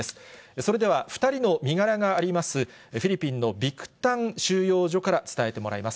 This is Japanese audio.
それでは２人の身柄があります、フィリピンのビクタン収容所から伝えてもらいます。